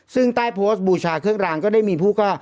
ซึ่งใต้โพสต์บูชาเครื่องรางก็ได้มีผู้ก็